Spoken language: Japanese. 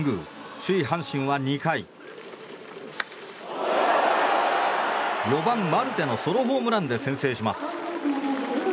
首位、阪神は２回４番、マルテのソロホームランで先制します。